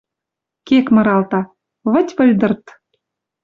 Кек мыралта: выть-выльдырт.